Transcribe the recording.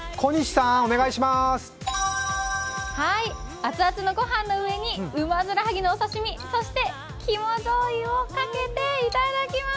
熱々のご飯の上にウマヅラハギのお刺身、そして肝じょうゆをかけていただきます。